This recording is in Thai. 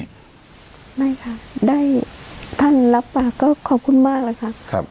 ไม่ครับได้ท่านรับปาก็ขอบคุณมากเลยครับ